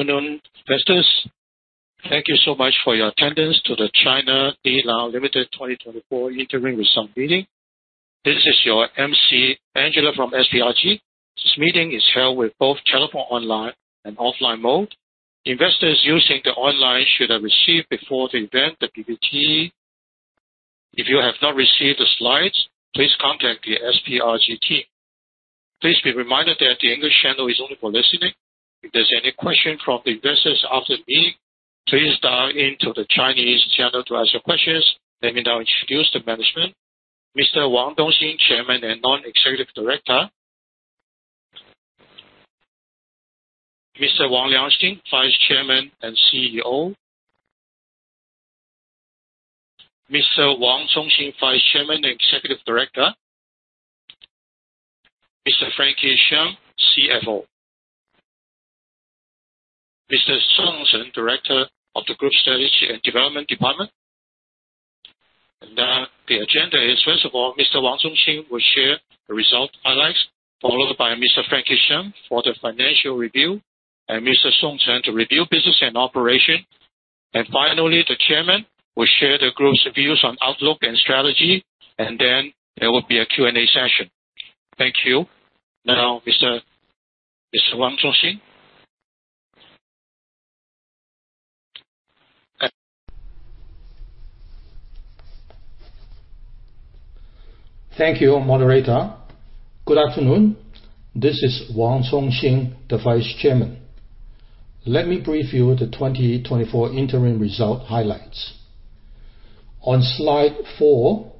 Good afternoon, investors. Thank you so much for your attendance to the China Lilang Limited 2024 interim results meeting. This is your MC, Angela from SPRG. This meeting is held with both telephone, online, and offline mode. Investors using the online should have received before the event, the PPT. If you have not received the slides, please contact the SPRG team. Please be reminded that the English channel is only for listening. If there's any question from the investors after me, please dial into the Chinese channel to ask your questions. Let me now introduce the management. Mr. Wang Cong Xing, Chairman and Non-Executive Director. Mr. Wang Liang Xing, Vice Chairman and CEO. Mr. Wang Cong Xing, Vice Chairman and Executive Director. Mr. Frankie Ko, CFO. Mr. Chen Song, Director of the Group Strategy and Development Department. And, the agenda is, first of all, Mr. Wang Cong Xing will share the result highlights, followed by Mr. Frankie Ko for the financial review, and Mr. Chen Song to review business and operation. And finally, the chairman will share the group's views on outlook and strategy, and then there will be a Q&A session. Thank you. Now, Mr. Wang Cong Xing? Thank you, moderator. Good afternoon. This is Wang Cong Xing, the Vice Chairman. Let me brief you the 2024 interim result highlights. On Slide 4,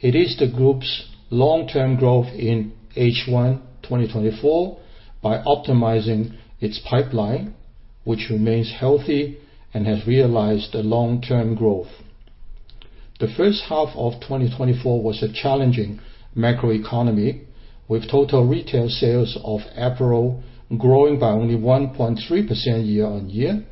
it is the group's long-term growth in H1 2024 by optimizing its pipeline, which remains healthy and has realized a long-term growth. The first half of 2024 was a challenging macroeconomy, with total retail sales of apparel growing by only 1.3% year-on-year.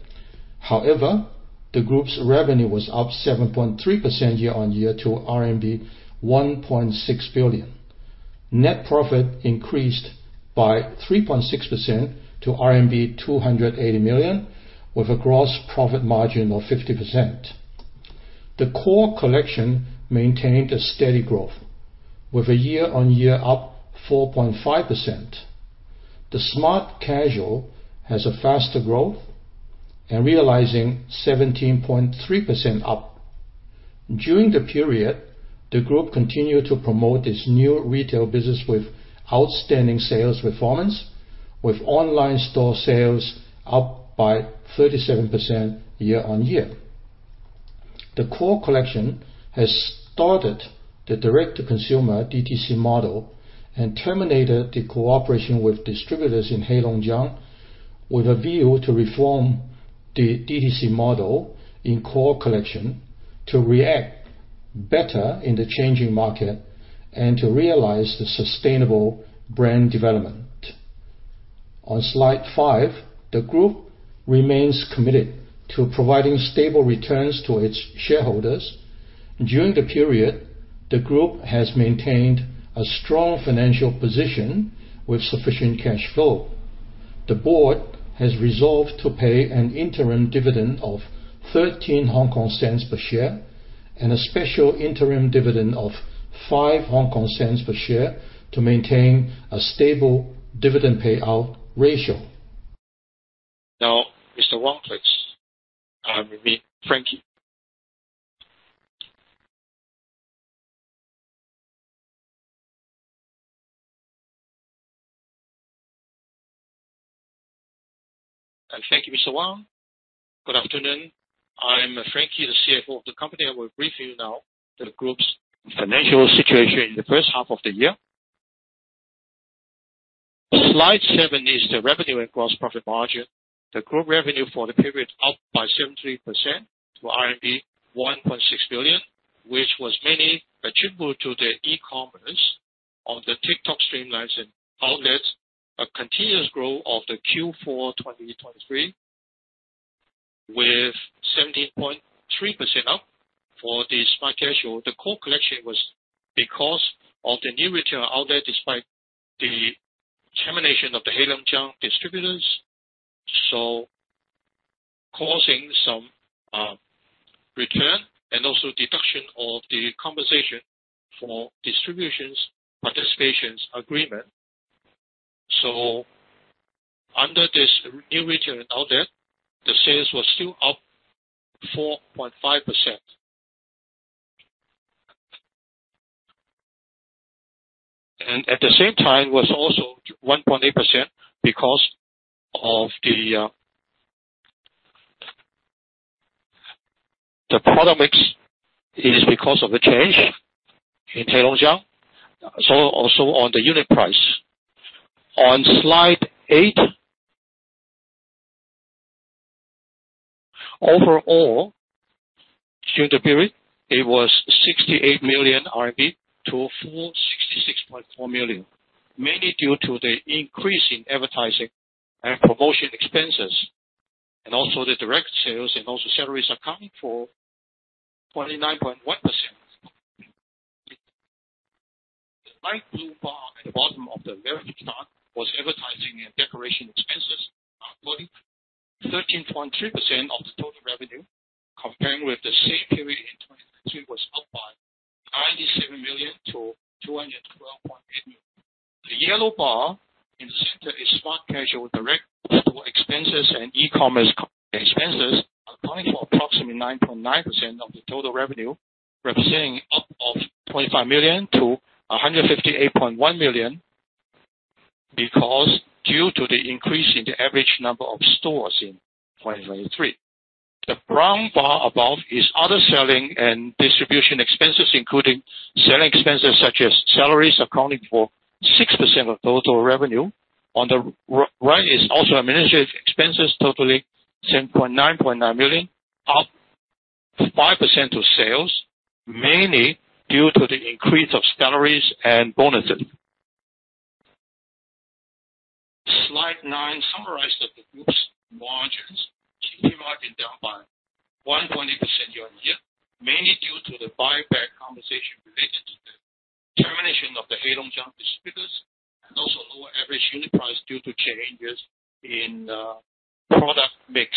However, the group's revenue was up 7.3% year-on-year to RMB 1.6 billion. Net profit increased by 3.6% to RMB 280 million, with a gross profit margin of 50%. The core collection maintained a steady growth, with a year-on-year up 4.5%. Smart Casual has a faster growth and realizing 17.3% up. During the period, the group continued to promote its New Retail business with outstanding sales performance, with online store sales up by 37% year-on-year. The Core Collection has started the direct-to-consumer, DTC, model and terminated the cooperation with distributors in Heilongjiang, with a view to reform the DTC model in Core Collection to react better in the changing market and to realize the sustainable brand development. On Slide 5, the group remains committed to providing stable returns to its shareholders. During the period, the group has maintained a strong financial position with sufficient cash flow. The board has resolved to pay an Interim Dividend of 0.13 per share and a special Interim Dividend of 0.05 per share to maintain a stable dividend payout ratio. Now, Mr. Wang, please, we meet Frankie. Thank you, Mr. Wang. Good afternoon. I'm Frankie, the CFO of the company. I will brief you now the group's financial situation in the first half of the year. Slide 7 is the revenue and gross profit margin. The group revenue for the period up 73% to RMB 1.6 billion, which was mainly attributable to the e-commerce on the TikTok livestreams and outlets, a continuous growth of the Q4 2023, with 17.3% up for Smart Casual. The core collection was because of the new retail outlet, despite the termination of the Heilongjiang distributors, so causing some return and also deduction of the compensation for distributors participation agreement. So under this new retail outlet, the sales were still up 4.5%. At the same time, it was also 1.8% because of the product mix, which is because of the change in Heilongjiang, so also on the unit price. On Slide 8. Overall, during the period, it was 68 million RMB to 466.4 million, mainly due to the increase in advertising and promotion expenses, and also the direct sales, and also salaries accounting for 29.1%. The light blue bar at the bottom of the left chart was advertising and decoration expenses, accounting 13.3% of the total revenue, comparing with the same period in 2023 was up by 97 million to 212.8 million. The yellow bar in the center is Smart Casual direct store expenses and e-commerce expenses, accounting for approximately 9.9% of the total revenue, representing up of 25 million to 158.1 million, because due to the increase in the average number of stores in 2023. The brown bar above is other selling and distribution expenses, including selling expenses such as salaries, accounting for 6% of total revenue. On the right is also administrative expenses, totaling 10.9 million, up 5% of sales, mainly due to the increase of salaries and bonuses. Slide 9 summarizes the group's margins. GP margin down by 1.8% year-on-year, mainly due to the buyback compensation related to the termination of the Heilongjiang distributors and also lower average unit price due to changes in, product mix.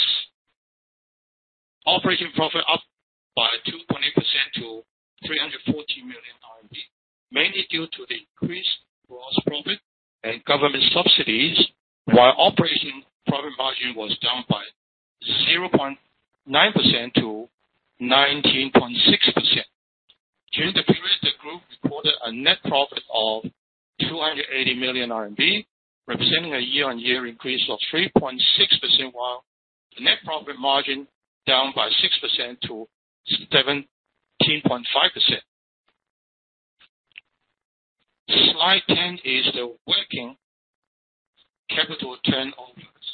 Operating profit up by 2.8% to 314 million RMB, mainly due to the increased gross profit and government subsidies, while operating profit margin was down by 0.9% to 19.6%. During the period, the group reported a net profit of 280 million RMB, representing a year-on-year increase of 3.6%, while the net profit margin down by 6% to 17.5%. Slide 10 is the working capital turnovers.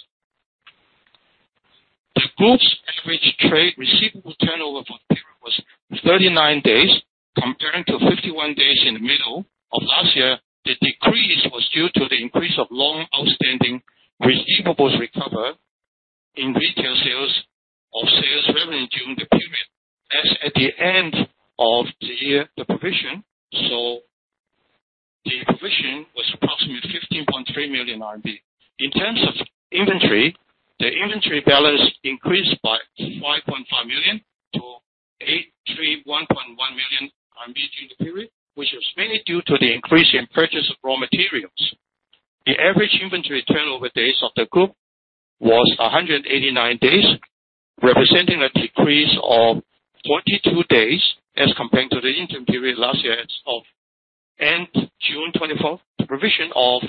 The group's average trade receivable turnover for the period was 39 days, comparing to 51 days in the middle of last year. The decrease was due to the increase of long outstanding receivables recovered in retail sales of sales revenue during the period. As at the end of the year, the provision was approximately 15.3 million RMB. In terms of inventory, the inventory balance increased by 5.5 million to 831.1 million RMB RMB during the period, which is mainly due to the increase in purchase of raw materials. The average inventory turnover days of the group was 189 days, representing a decrease of 42 days as compared to the interim period last year as of end June 2024. The provision of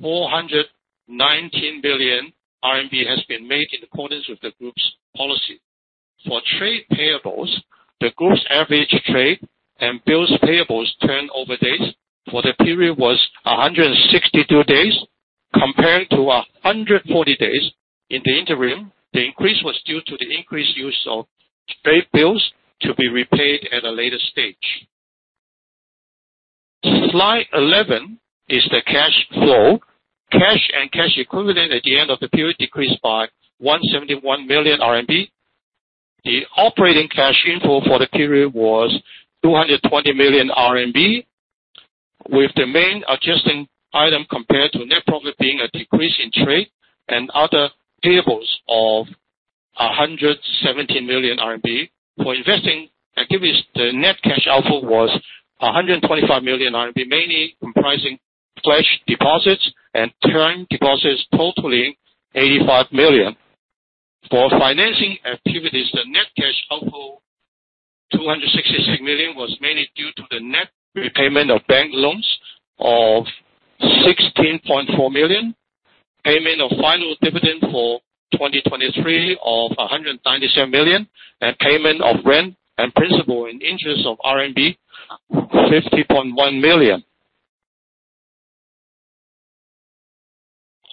419 billion RMB RMB has been made in accordance with the group's policy. For trade payables, the group's average trade and bills payables turnover days for the period was 162 days, comparing to 140 days in the interim. The increase was due to the increased use of trade bills to be repaid at a later stage. Slide 11 is the cash flow. Cash and cash equivalents at the end of the period decreased by 171 million RMB. The operating cash inflow for the period was 220 million RMB, with the main adjusting item compared to net profit being a decrease in trade and other payables of 117 million RMB. For investing activities, the net cash outflow was 125 million RMB, mainly comprising cash deposits and term deposits totaling 85 million. For financing activities, the net cash outflow, 266 million, was mainly due to the net repayment of bank loans of 16.4 million, payment of final dividend for 2023 of 197 million, and payment of rent and principal and interest of RMB 50.1 million.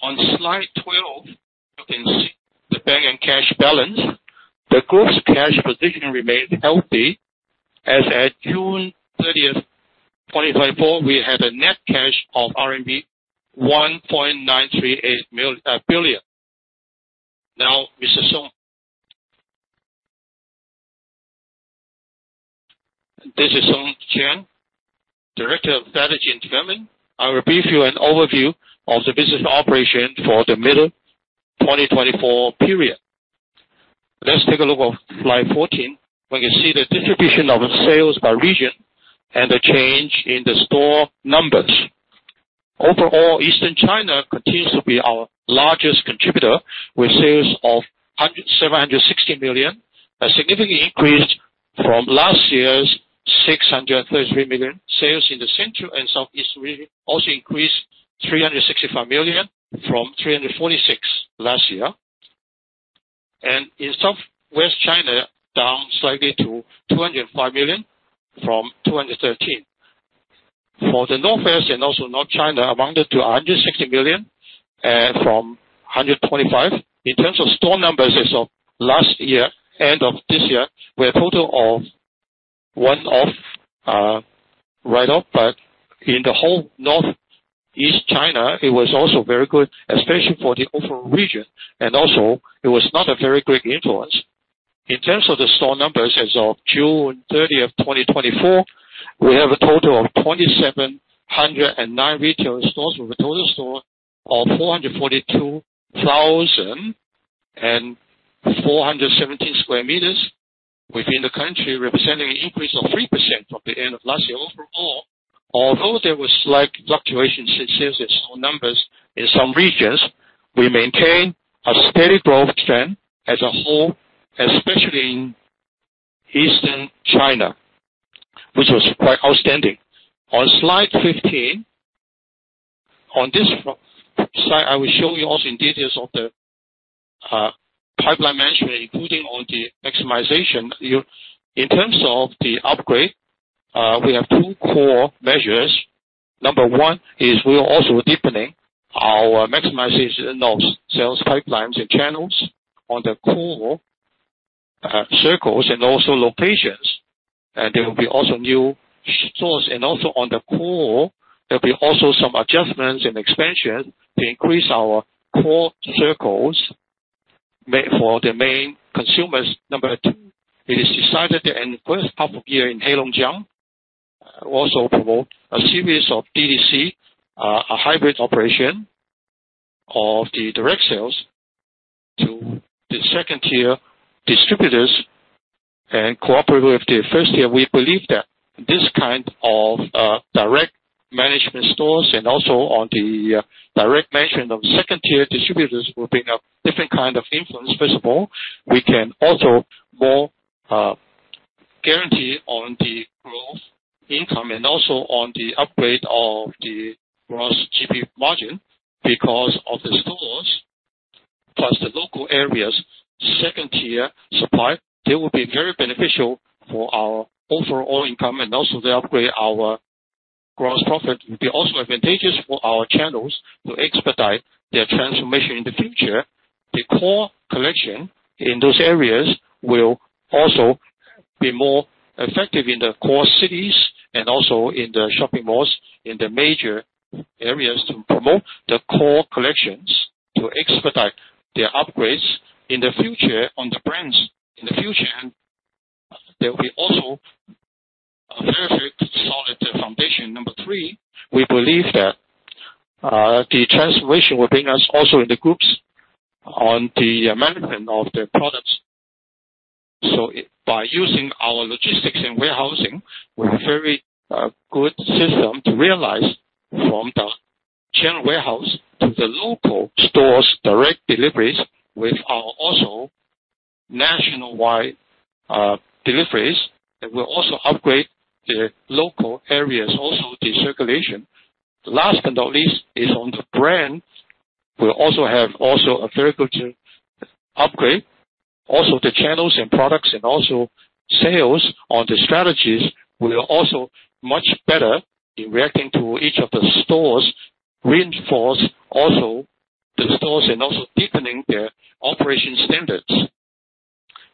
On Slide 12, you can see the bank and cash balance. The group's cash position remained healthy. As at June 30th, 2024, we had a net cash of RMB 1.938 billion. Now, Mr. Song. This is Chen Song, Director of Strategy and Development. I will give you an overview of the business operation for the middle 2024 period. Let's take a look at Slide 14, where you can see the distribution of sales by region and the change in the store numbers. Overall, Eastern China continues to be our largest contributor, with sales of 760 million, a significantly increase from last year's 633 million. Sales in the Central and Southeast region also increased 365 million, from 346 million last year. And in Southwest China, down slightly to 205 million from 213 million. For the Northwest and also North China, amounted to 160 million from 125. In terms of store numbers as of last year, end of this year, we have a total of one off write off, but in the whole Northeast China, it was also very good, especially for the overall region. It was not a very great influence. In terms of the store numbers as of June 30th, 2024, we have a total of 2,709 retail stores, with a total store of 442,417 square meters within the country, representing an increase of 3% from the end of last year. Overall, although there was slight fluctuations in sales and store numbers in some regions, we maintained a steady growth trend as a whole, especially in Eastern China, which was quite outstanding. On Slide 15, on this slide, I will show you also in details of the pipeline management, including on the maximization. In terms of the upgrade, we have two core measures. Number one is we are also deepening our maximization of sales pipelines and channels on the core circles and also locations, and there will be also new stores. And also on the core, there'll be also some adjustments and expansion to increase our core circles made for the main consumers. Number two, it is decided that in the first half of year in Heilongjiang, also promote a series of DTC, a hybrid operation of the direct sales to the second-tier distributors and cooperate with the first-tier. We believe that this kind of direct management stores and also on the direct management of second-tier distributors will bring a different kind of influence. First of all, we can also more guarantee on the growth, income, and also on the upgrade of the gross profit margin because of the stores, plus the local areas, second-tier supply, they will be very beneficial for our overall income, and also they upgrade our gross profit. They're also advantageous for our channels to expedite their transformation in the future. The core collection in those areas will also be more effective in the core cities and also in the shopping malls in the major areas to promote the core collections, to expedite their upgrades in the future on the brands. In the future, there will be also a very solid foundation. Number three, we believe that, the transformation will bring us also in the groups on the management of the products. So by using our logistics and warehousing, we have very, good system to realize from the general warehouse to the local stores, direct deliveries with our also nationwide, deliveries, that will also upgrade the local areas, also the circulation. Last but not least, is on the brand. We'll also have also a very good upgrade. Also, the channels and products and also sales on the strategies will also much better in reacting to each of the stores, reinforce also the stores, and also deepening their operation standards.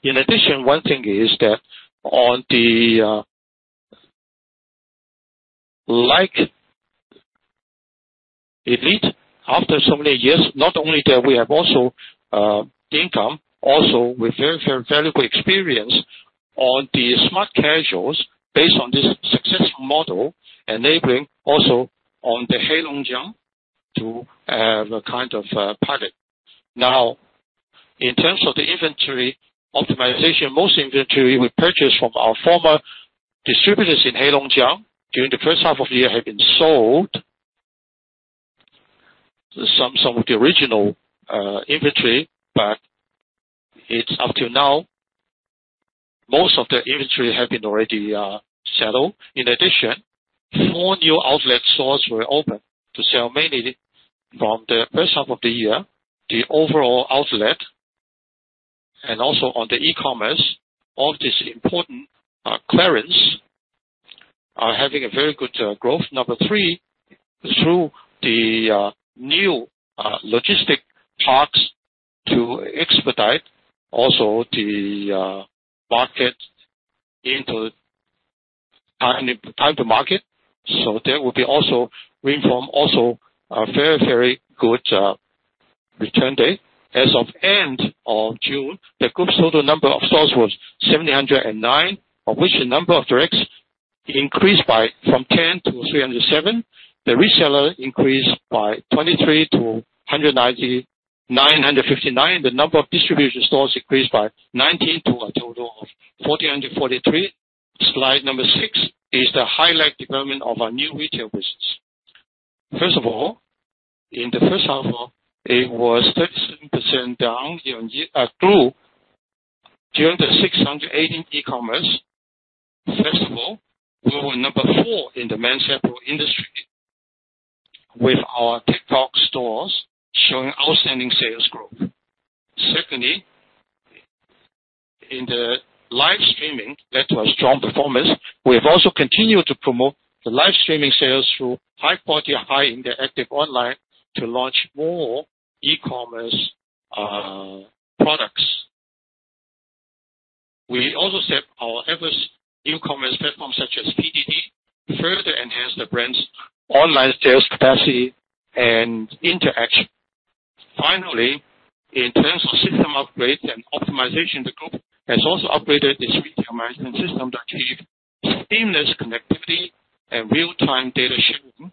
In addition, one thing is that on the, like Lilang, after so many years, not only that, we have also, income, also with very, very, very good experience on the Smart Casuals based on this successful model, enabling also on the Heilongjiang to have a kind of, pilot. Now, in terms of the inventory optimization, most inventory we purchase from our former distributors in Heilongjiang during the first half of the year have been sold. Some of the original, inventory, but it's up to now, most of the inventory have been already, settled. In addition, four new outlet stores were open to sell, mainly from the first half of the year, the overall outlet and also on the e-commerce. All these important, clearance are having a very good, growth. Number three, through the new, logistic parts to expedite also the market into time, time to market. There will be also bring from also a very, very good, return date. As of end of June, the group's total number of stores was 7,109, of which the number of directs increased by from 10 to 307. The reseller increased by 23 to 9,959. The number of distribution stores increased by 19 to a total of 4,043. Slide number 6 is the highlight development of our new retail business. First of all, in the first half of, it was 13% down year on year, grew during the 618 e-commerce. First of all, we were number four in the men's apparel industry, with our TikTok stores showing outstanding sales growth. Secondly, in the live streaming, that was strong performance. We have also continued to promote the live streaming sales through high quality, high interactive online to launch more e-commerce, products. We also set our efforts in e-commerce platforms such as PDD.... further enhance the brand's online sales capacity and interaction. Finally, in terms of system upgrades and optimization, the group has also upgraded its retail management system to achieve seamless connectivity and real-time data sharing.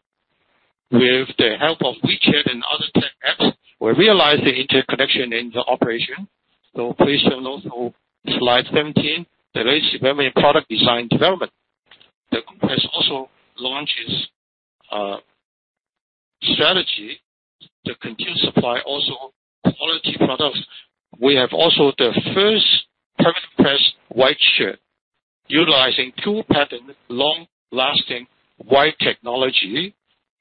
With the help of WeChat and other tech apps, we realize the interconnection in the operation. So please turn also Slide 17. The latest development in product design development. The group has also launched its strategy to continue supply also quality products. We have also the first Perfect Press White Shirt, utilizing two pattern long-lasting white technology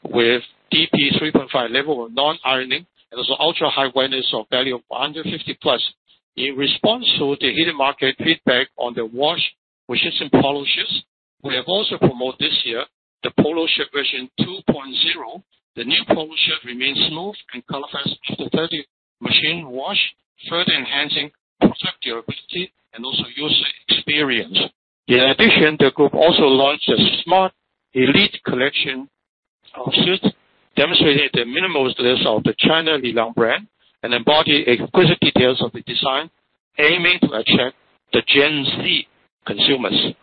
with DP 3.5 level of non-ironing, and also ultra-high whiteness of value of under 50+. In response to the heated market feedback on the wash resistant polo shirts, we have also promoted this year the Polo shirt version 2.0. The new Polo shirt remains smooth and colorfast after 30 machine wash, further enhancing product durability and also user experience. In addition, the group also launched a Smart Lilang Collection of suits, demonstrating the minimalist style of the China Lilang brand and embody exquisite details of the design, aiming to attract the Gen Z consumers.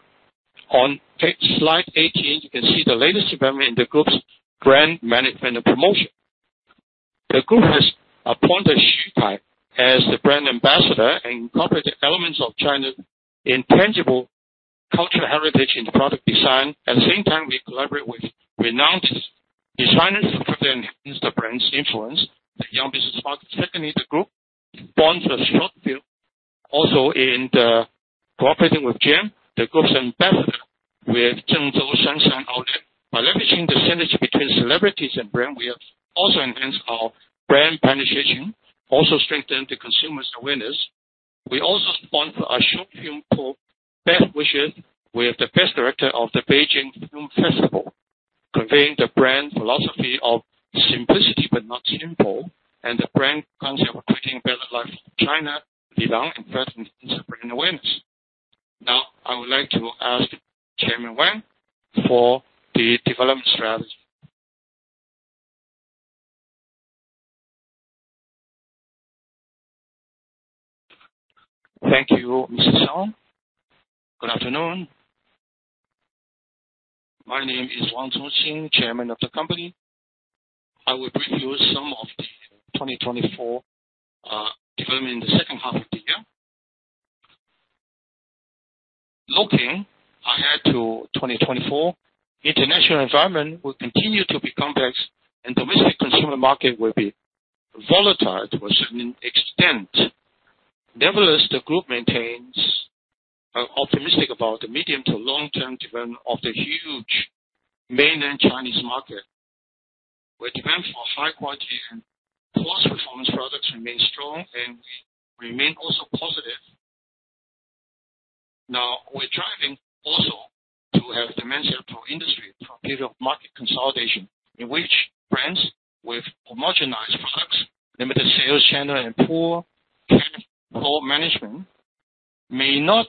On page Slide 18, you can see the latest development in the group's brand management and promotion. The group has appointed Xu Kai as the brand ambassador and incorporated elements of China's intangible cultural heritage in product design. At the same time, we collaborate with renowned designers to further enhance the brand's influence. The Young Business Partners the Lilang Group sponsored a short film, also in the cooperating with him, the group's ambassador with Zhengzhou Sunshine Outlet. By leveraging the synergy between celebrities and brand, we have also enhanced our brand penetration, also strengthened the consumers' awareness. We also sponsor a short film called Best Wishes with the best director of the Beijing Film Festival, conveying the brand philosophy of simplicity but not simple, and the brand concept of creating a better life for China Lilang and person brand awareness. Now, I would like to ask Chairman Wang for the development strategy. Thank you, Mr. Song. Good afternoon. My name is Wang Cong Xing, Chairman of the company. I will bring you some of the 2024 development in the second half of the year. Looking ahead to 2024, international environment will continue to be complex and domestic consumer market will be volatile to a certain extent. Nevertheless, the group maintains, are optimistic about the medium to long-term development of the huge mainland Chinese market, where demand for high quality and cost performance products remain strong and we remain also positive. Now, we're driving also to have dimension for industry, for period of market consolidation, in which brands with homogenized products, limited sales channel and poor flow management may not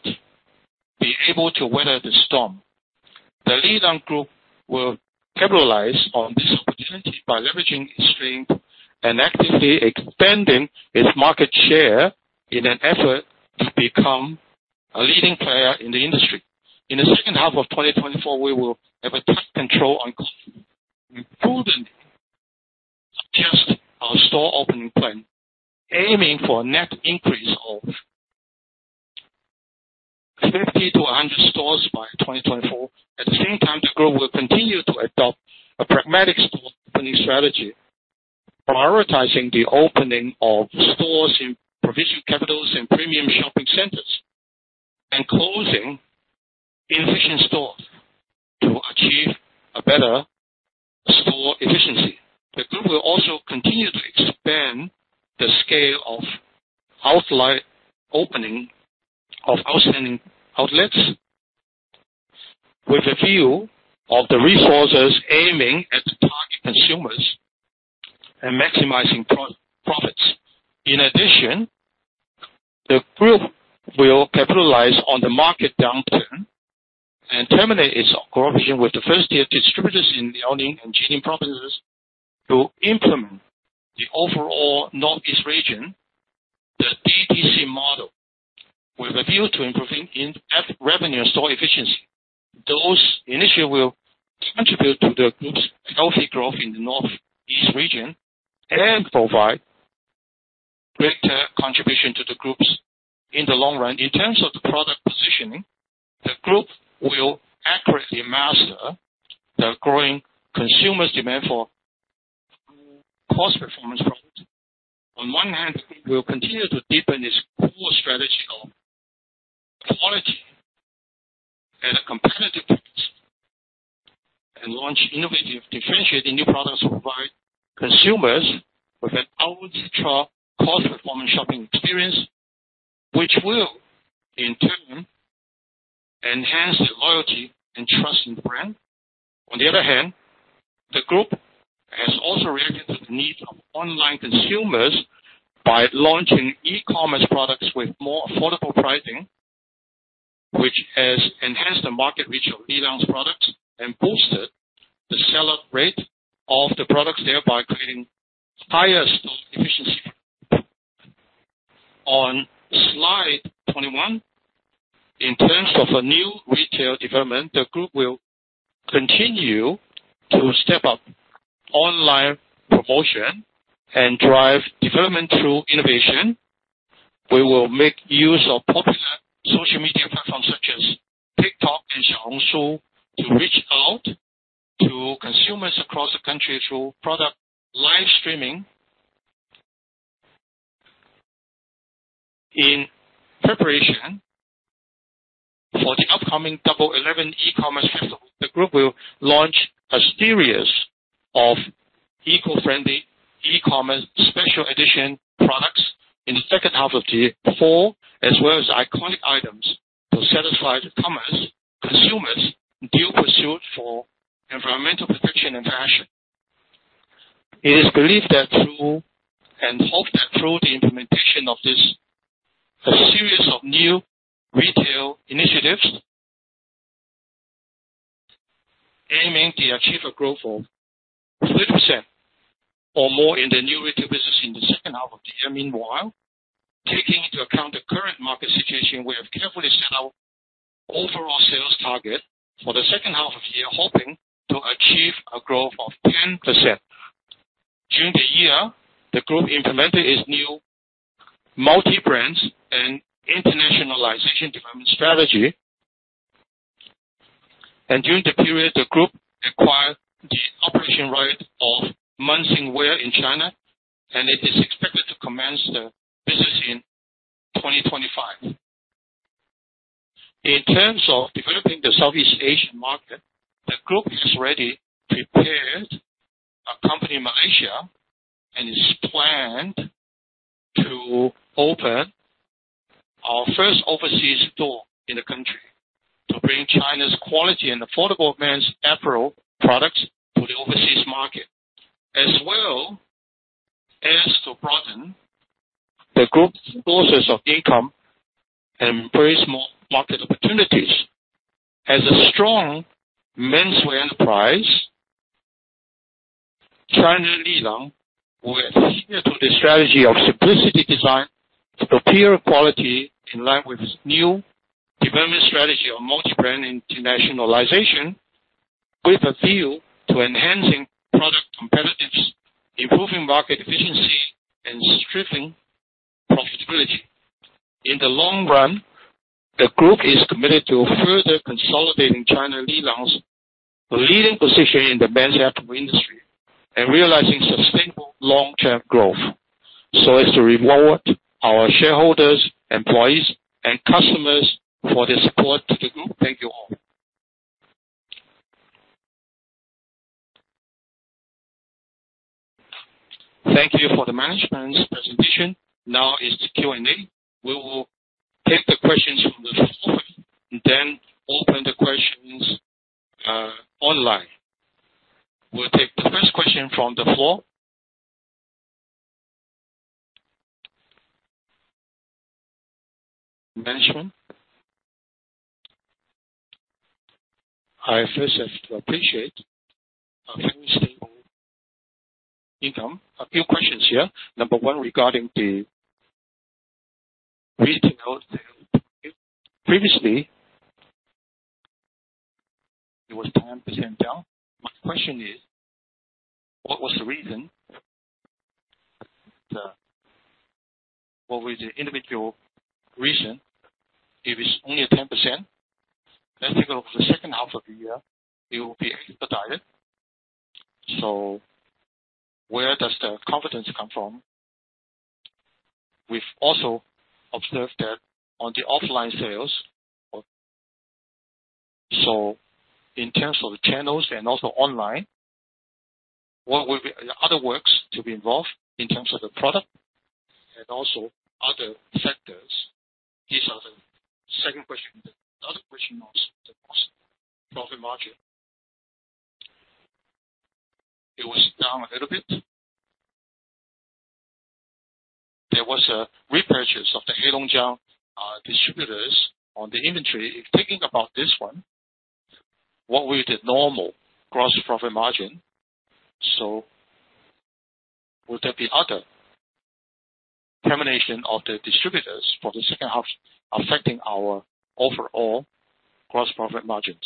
be able to weather the storm. The Lilang Group will capitalize on this opportunity by leveraging its strength and actively expanding its market share in an effort to become a leading player in the industry. In the second half of 2024, we will have a tight control on cost. We prudently adjust our store opening plan, aiming for a net increase of 50-100 stores by 2024. At the same time, the group will continue to adopt a pragmatic store opening strategy, prioritizing the opening of stores in provincial capitals and premium shopping centers, and closing inefficient stores to achieve a better store efficiency. The group will also continue to expand the scale of outlet opening of outstanding outlets, with a view of the resources aiming at the target consumers and maximizing profits. In addition, the group will capitalize on the market downturn and terminate its cooperation with the first-tier distributors in Liaoning and Jilin provinces to implement the overall Northeast region, the DTC model, with a view to improving in-app revenue and store efficiency. Those initially will contribute to the group's healthy growth in the Northeast region and provide greater contribution to the group in the long run. In terms of the product positioning, the group will accurately master the growing consumers' demand for cost performance products. On one hand, we will continue to deepen its core strategy of quality at a competitive price, and launch innovative, differentiating new products to provide consumers with an ultra cost performance shopping experience, which will in turn enhance the loyalty and trust in the brand. On the other hand, the group meets the needs of online consumers by launching e-commerce products with more affordable pricing, which has enhanced the market reach of LILANZ products and boosted the sellout rate of the products, thereby creating higher stock efficiency. On Slide 21, in terms of a new retail development, the group will continue to step up online promotion and drive development through innovation. We will make use of popular social media platforms such as TikTok and Xiaohongshu to reach out to consumers across the country through product live streaming. In preparation for the upcoming Double Eleven e-commerce festival, the group will launch a series of eco-friendly e-commerce special edition products in the second half of the year, before as well as iconic items to satisfy the e-commerce consumers' due pursuit for environmental protection and fashion. It is believed that through, and hope that through the implementation of this, a series of new retail initiatives, aiming to achieve a growth of 30% or more in the new retail business in the second half of the year. Meanwhile, taking into account the current market situation, we have carefully set our overall sales target for the second half of the year, hoping to achieve a growth of 10%. During the year, the group implemented its new multi-brands and internationalization development strategy. During the period, the group acquired the operation right of Munsingwear in China, and it is expected to commence the business in 2025. In terms of developing the Southeast Asian market, the group has already prepared a company in Malaysia, and is planned to open our first overseas store in the country to bring China's quality and affordable men's apparel products to the overseas market, as well as to broaden the group's sources of income and embrace more market opportunities. As a strong menswear enterprise, China Lilang will adhere to the strategy of simplicity, design, superior quality, in line with its new development strategy of multi-brand internationalization, with a view to enhancing product competitiveness, improving market efficiency, and stripping profitability. In the long run, the group is committed to further consolidating China Lilang's leading position in the men's apparel industry and realizing sustainable long-term growth so as to reward our shareholders, employees, and customers for their support to the group. Thank you all. Thank you for the management's presentation. Now is the Q&A. We will take the questions from the floor, and then open the questions, online. We'll take the first question from the floor. Management? I first have to appreciate fiscal income. A few questions here. Number one, regarding the retail sales. Previously, it was 10% down. My question is, what was the reason? The, what was the individual reason? It is only a 10%, and think of the second half of the year, it will be higher. So where does the confidence come from? We've also observed that on the offline sales, so in terms of the channels and also online, what will be the other works to be involved in terms of the product and also other factors? These are the second question. The other question was the profit margin. It was down a little bit. There was a repurchase of the Heilongjiang distributors on the inventory. Thinking about this one, what will the normal gross profit margin? So will there be other termination of the distributors for the second half affecting our overall gross profit margins?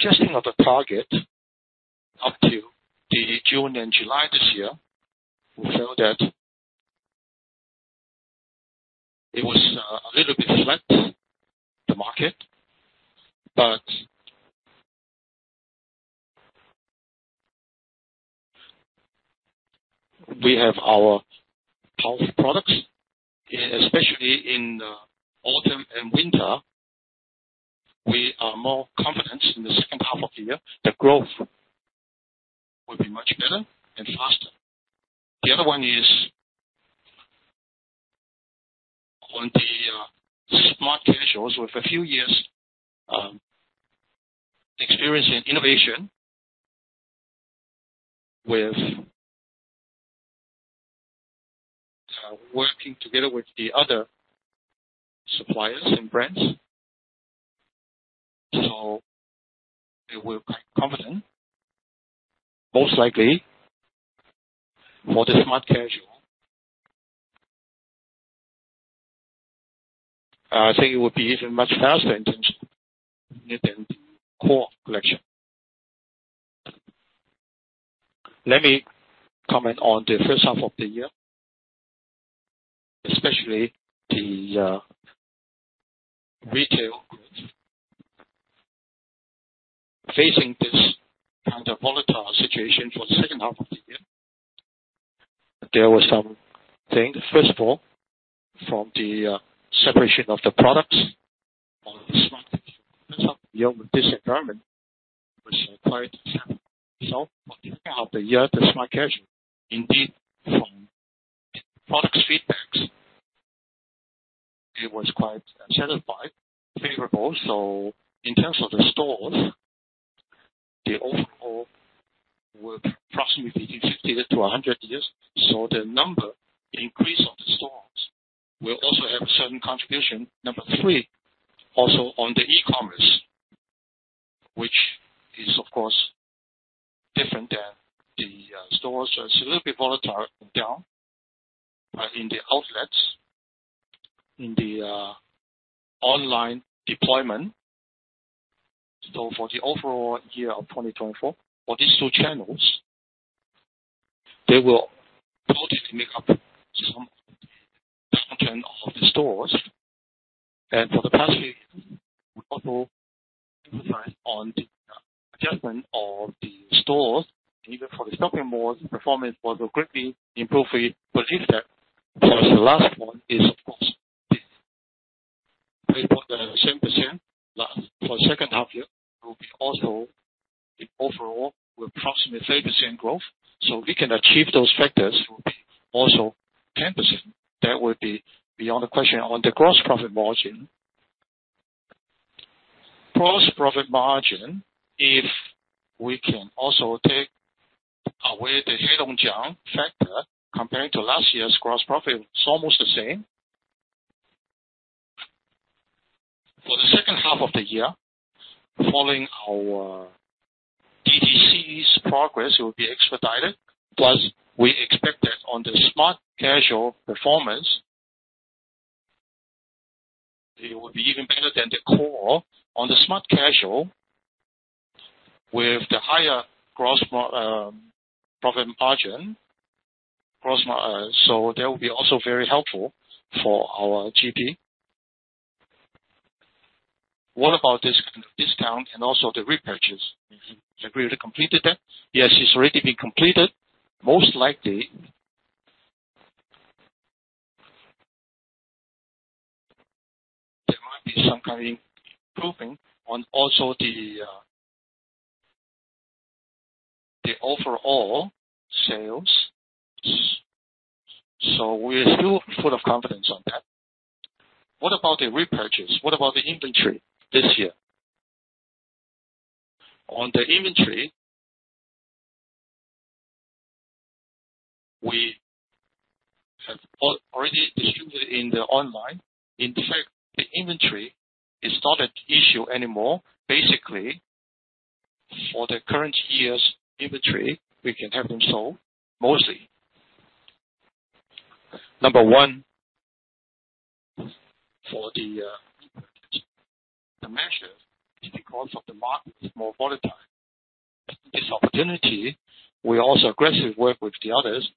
Just think of the target up to the June and July this year, we felt that it was a little bit flat, the market, but we have our health products, especially in the autumn and winter are more confident in the second half of the year, the growth will be much better and faster. The other one is on the Smart Casuals, with a few years experience in innovation, with working together with the other suppliers and brands. So they were quite confident, most likely, for the Smart Casual. I think it would be even much faster in terms than Core Collection. Let me comment on the first half of the year, especially the retail group. Facing this kind of volatile situation for the second half of the year, there were some things. First of all, from the separation of the products on the Smart Casual. This environment was quite similar. So for the second half of the year, the Smart Casual, indeed, from product feedbacks, it was quite satisfied, favorable. So in terms of the stores, the overall were approximately 50 to 100 stores. So the number increase of the stores will also have a certain contribution. Number three, also on the e-commerce, which is, of course, different than the stores. It's a little bit volatile and down, but in the outlets, in the online deployment. So for the overall year of 2024, for these two channels, they will probably make up some of the stores. And for the past week, we also emphasize on the adjustment of the stores, either for the stocking malls, performance, but will greatly improve it. Believe that plus the last one is, of course, we put the same percent. Last, for second half year, will be also the overall, will approximately 30% growth. So we can achieve those factors will be also 10%. That would be beyond the question. On the gross profit margin. Gross profit margin, if we can also take away the Heilongjiang factor, comparing to last year's gross profit, it's almost the same. For the second half of the year, following our DTC's progress, it will be expedited. Plus, we expect that on the Smart Casual performance, it will be even better than the core. On the Smart Casual, with the higher gross profit margin, so that will be also very helpful for our GP. What about this discount and also the repurchase? It's already completed that? Yes, it's already been completed. Most likely, there might be some kind of improving on also the, the overall sales. So we're still full of confidence on that. What about the repurchase? What about the inventory this year? On the inventory, we have already distributed in the online. In fact, the inventory is not an issue anymore. Basically, for the current year's inventory, we can have them sold, mostly. Number one, for the, the measure is because of the market is more volatile. This opportunity, we also aggressively work with the others,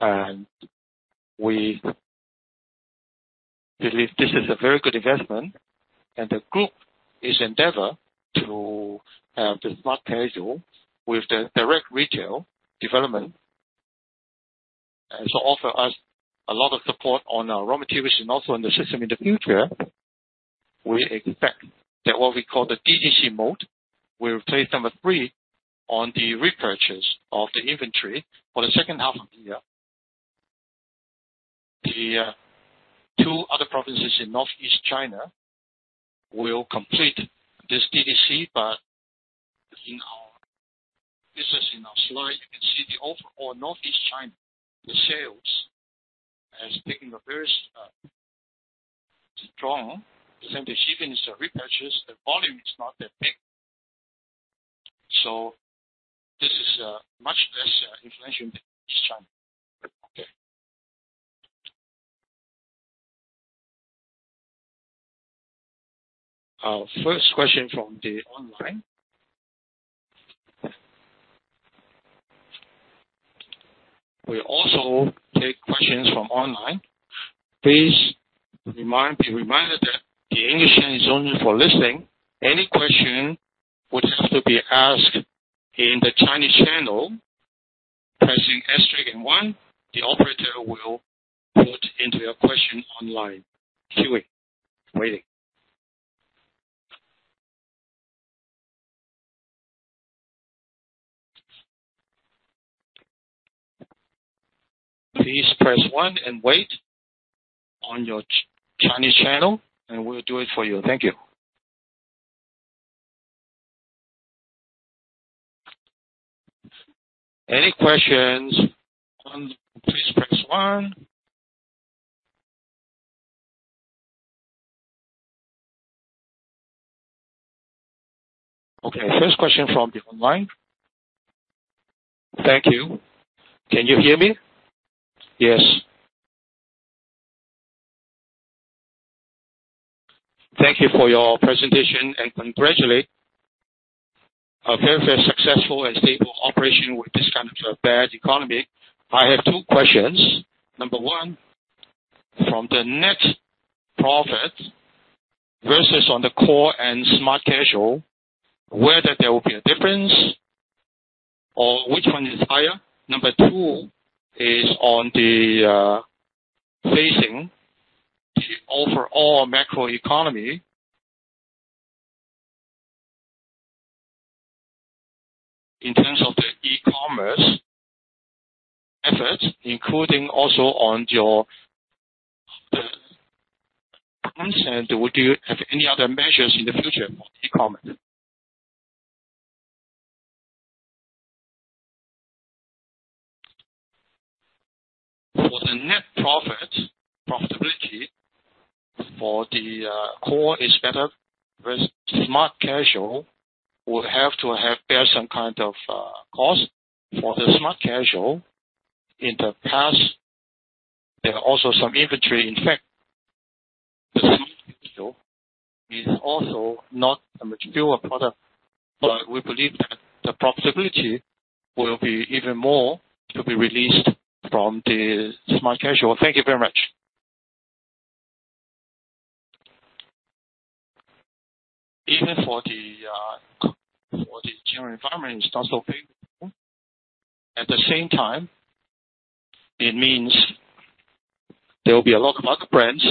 and we believe this is a very good investment, and the group is endeavor to have the Smart Casual with the direct retail development. So offer us a lot of support on our raw materials and also in the system in the future. We expect that what we call the DTC mode, we'll place number three on the repurchase of the inventory for the second half of the year. The 2 other provinces in Northeast China will complete this DTC, but in our. This is in our slide, you can see the overall Northeast China, the sales has taken a very strong position. Even if it's a repurchase, the volume is not that big. So this is much less influential in China. Okay. Our first question from the online. We also take questions from online. Please remind, be reminded that the English channel is only for listening. Any question would have to be asked in the Chinese channel. Pressing asterisk and one, the operator will put into your question online. Queueing. Waiting. Please press one and wait on your Chinese channel, and we'll do it for you. Thank you. Any questions, one- please press one. Okay, first question from the online. Thank you. Can you hear me? Yes. Thank you for your presentation, and congratulate a very, very successful and stable operation with this kind of bad economy. I have two questions. Number one, from the net profit versus on the core and Smart Casual, whether there will be a difference, or which one is higher? Number two is on the facing the overall macroeconomy, in terms of the e-commerce efforts, including also on your, the Tencent, would you have any other measures in the future for e-commerce? For the net profit profitability for the core is better, versus Smart Casual, will have to bear some kind of cost. For the Smart Casual, in the past, there are also some inventory. In fact, the Smart Casual is also not a much fewer product, but we believe that the profitability will be even more to be released from the Smart Casual. Thank you very much. Even for the general environment, it's not so favorable. At the same time, it means there will be a lot of other brands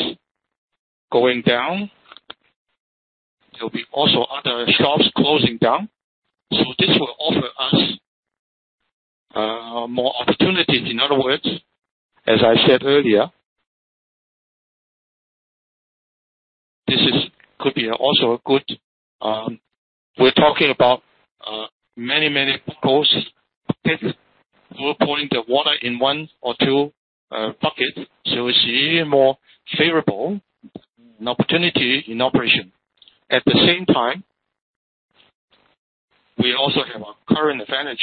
going down. There will be also other shops closing down. So this will offer us more opportunities. In other words, as I said earlier, could be also a good. We're talking about many, many posts. We're pouring the water in one or two buckets, so it's even more favorable an opportunity in operation. At the same time, we also have a current advantage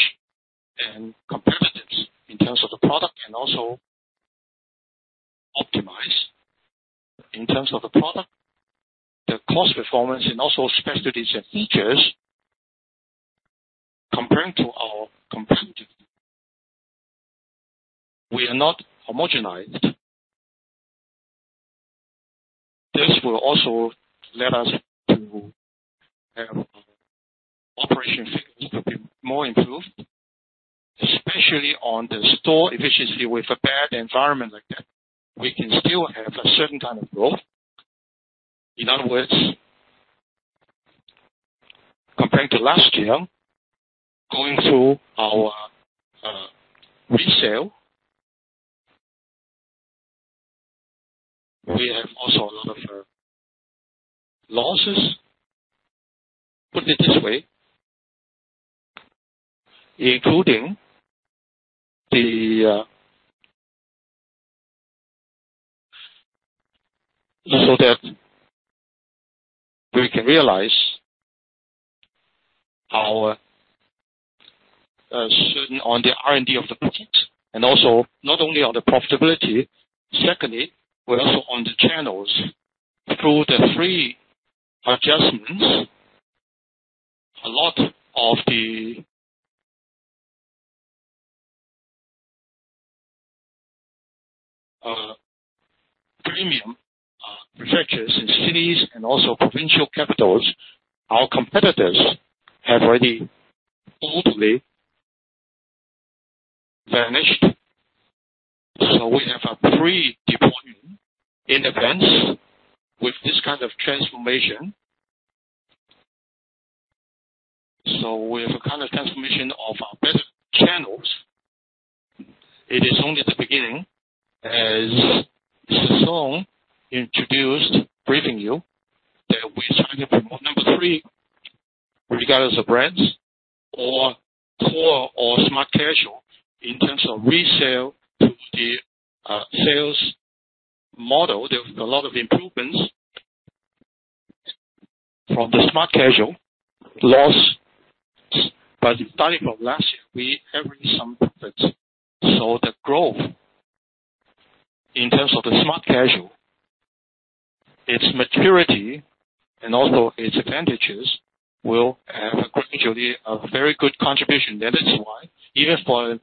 and competitiveness in terms of the product and also optimize. In terms of the product, the cost performance and also specialties and features, comparing to our competitor, we are not homogenized. This will also let us to have operation fields to be more improved, especially on the store efficiency with a bad environment like that. We can still have a certain kind of growth. In other words, comparing to last year, going through our resale, we have also a lot of losses. Put it this way, including the... So that we can realize our certain on the R&D of the product, and also not only on the profitability, secondly, but also on the channels. Through the free adjustments, a lot of the premium prefectures and cities and also provincial capitals, our competitors have already boldly vanished. So we have a pre-deployment in advance with this kind of transformation. So we have a kind of transformation of our better channels. It is only the beginning, as Song introduced, briefing you, that we're trying to promote number three, regardless of brands or core or Smart Casual. In terms of resale to the sales model, there are a lot of improvements from the Smart Casual loss. But starting from last year, we have reached some profit. So the growth in terms of the Smart Casual, its maturity and also its advantages, will have gradually a very good contribution. That is why, even for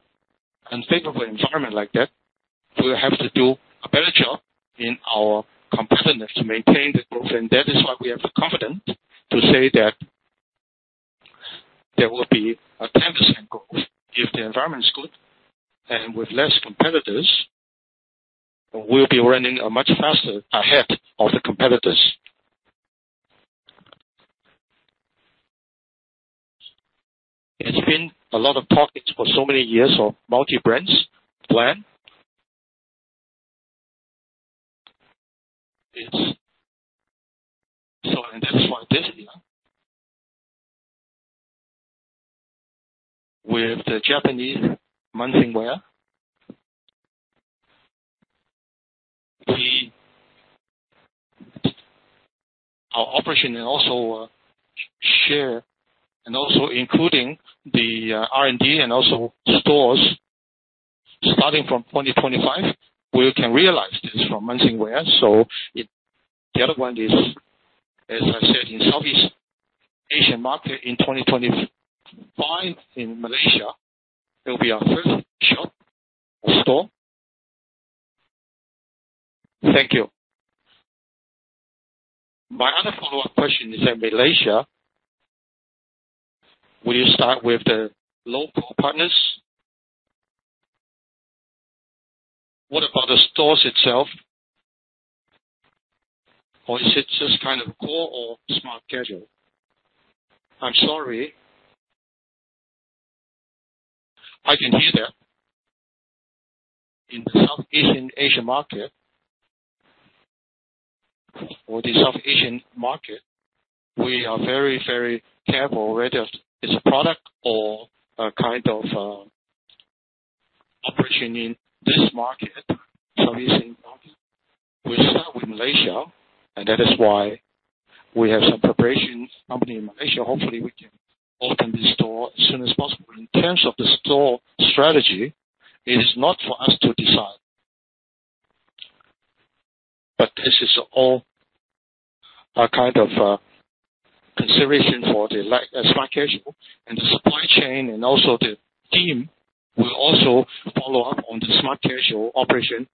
unfavorable environment like that, we will have to do a better job in our competitiveness to maintain the growth. And that is why we have the confidence to say that there will be a 10% growth. If the environment is good and with less competitors, we'll be running a much faster ahead of the competitors. It's been a lot of talk for so many years of multi-brands plan. It's, so and that is why this year, with the Japanese Munsingwear, we our operation and also, share, and also including the, R&D and also stores, starting from 2025, we can realize this from Munsingwear. So the other one is, as I said, in Southeast Asian market, in 2025 in Malaysia, there will be our first shop or store. Thank you. My other follow-up question is, in Malaysia, will you start with the local partners? What about the stores itself, or is it just kind of core or Smart Casual? I'm sorry. I can hear that. In the Southeast Asian market, or the South Asian market, we are very, very careful whether it's a product or a kind of operation in this market. So we start with Malaysia, and that is why we have some preparation company in Malaysia. Hopefully, we can open the store as soon as possible. In terms of the store strategy, it is not for us to decide. But this is all a kind of consideration for the like Smart Casual and the supply chain. And also the team will also follow up on the Smart Casual operation,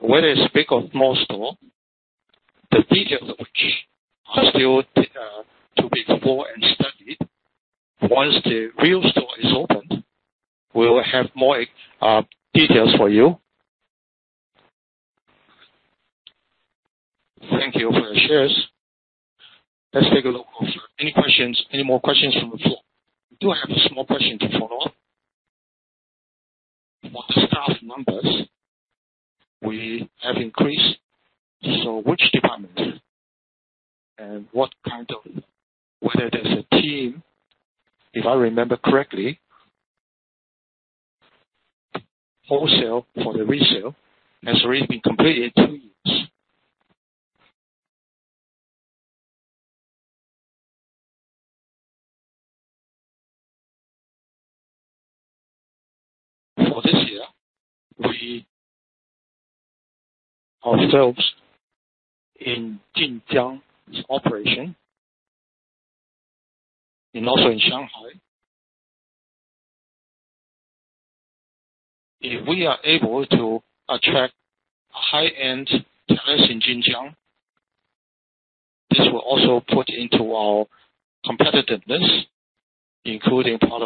whether it's big or small store. The details of which are still to be developed and studied. Once the real store is opened, we'll have more details for you. Thank you for your shares. Let's take a look. Any questions, any more questions from the floor? Do I have a small question to follow up? On staff numbers, we have increased. So which department and what kind of, whether there's a team, if I remember correctly, wholesale for the resale has already been completed two years. For this year, we ourselves in Jinjiang operation, and also in Shanghai. If we are able to attract high-end talents in Jinjiang, this will also put into our competitiveness, including part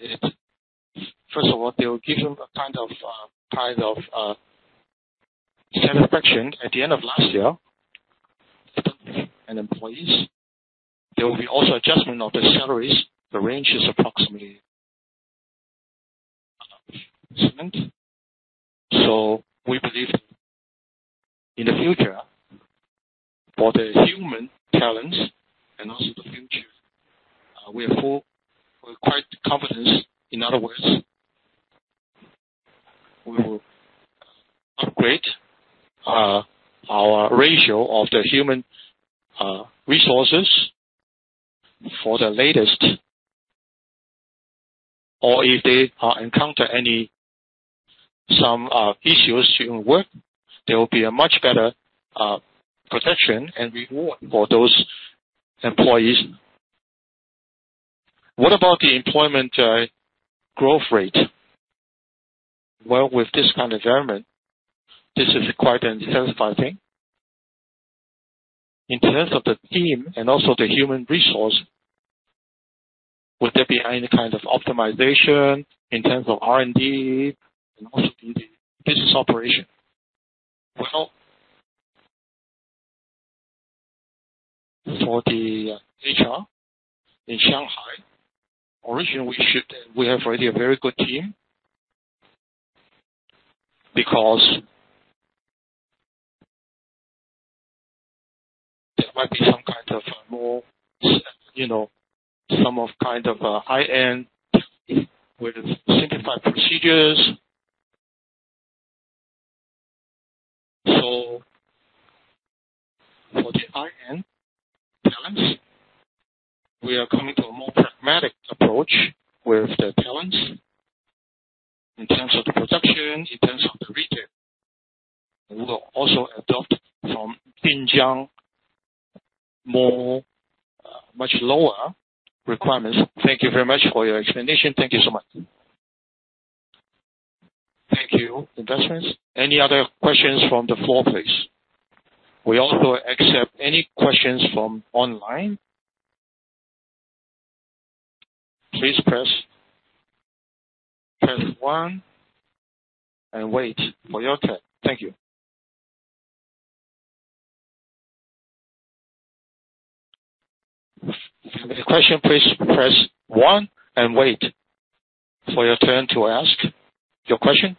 of our upgrades. First of all, they will give them a kind of, kind of, satisfaction. At the end of last year, and employees, there will be also adjustment of the salaries. The range is approximately 10%. So we believe in the future for the human talents and also the future, we feel, we're quite confident. In other words, we will upgrade our ratio of the human resources for the latest, or if they encounter any, some issues during work, there will be a much better protection and reward for those employees. What about the employment growth rate? Well, with this kind of environment, this is quite a satisfying thing. In terms of the team and also the human resource, would there be any kind of optimization in terms of R&D and also the business operation? Well, for the HR in Shanghai, originally, we should, we have already a very good team, because there might be some kind of more, you know, some kind of high-end with simplified procedures. So for the high-end talents, we are coming to a more pragmatic approach with the talents in terms of the production, in terms of the retail. We will also adopt from Jinjiang more, much lower requirements. Thank you very much for your explanation. Thank you so much. Thank you, investors. Any other questions from the floor, please? We also accept any questions from online. Please press one and wait for your turn. Thank you. If you have any question, please press one and wait for your turn to ask your question.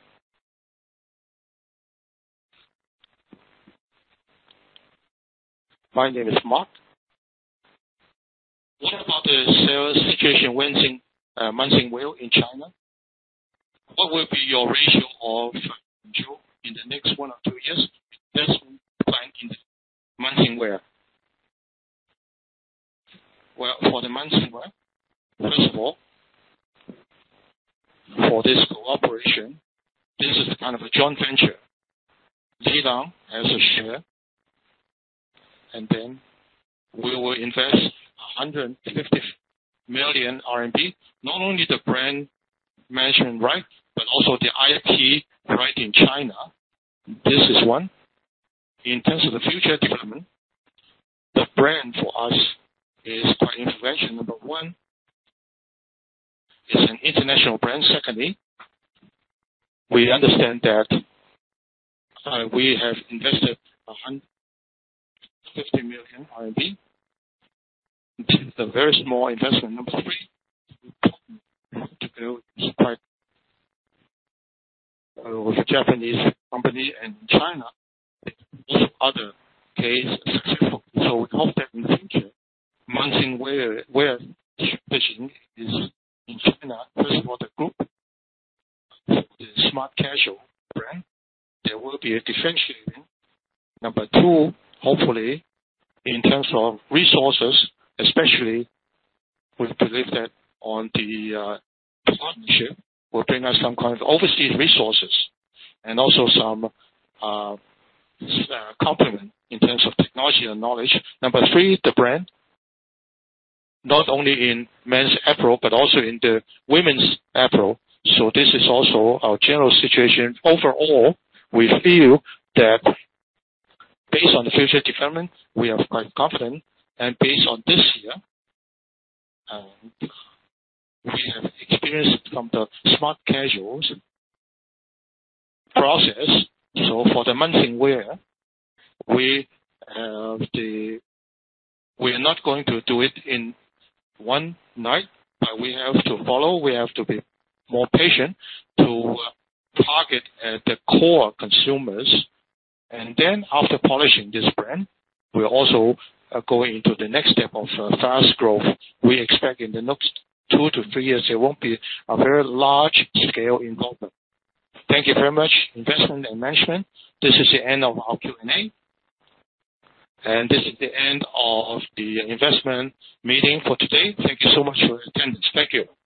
My name is Mark. What about the sales situation in Munsingwear in China? What will be your ratio of in the next one or two years that's planned in Munsingwear? Well, for the Munsingwear, first of all, for this cooperation, this is kind of a joint venture. Lilang has a share, and then we will invest 150 million RMB. Not only the brand mentioned, right, but also the IP right in China. This is one. In terms of the future development, the brand for us is quite intervention. Number one, it's an international brand. Secondly, we understand that, we have invested 150 million RMB, which is a very small investment. Number three, to build quite with a Japanese company in China, also other case successful. So we hope that in the future, Munsingwear positioning is in China. First of all, the group is Smart Casual brand. There will be a differentiating. Number two, hopefully, in terms of resources, especially we believe that on the partnership will bring us some kind of overseas resources and also some complement in terms of technology and knowledge. Number three, the brand, not only in men's apparel, but also in the women's apparel. So this is also our general situation. Overall, we feel that based on the future development, we are quite confident and based on this year, and we have experienced from the Smart Casuals process. So for the Munsingwear, we are not going to do it in one night, but we have to follow. We have to be more patient to target the core consumers. And then after polishing this brand, we're also going into the next step of fast growth. We expect, in the next two to three years, there won't be a very large scale involvement. Thank you very much, investment and management. This is the end of our Q&A, and this is the end of the investment meeting for today. Thank you so much for your attendance. Thank you.